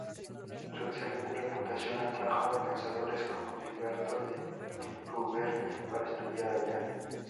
Su excelente reputación atrajo a pensadores como Gilberto de Auvernia para estudiar allá.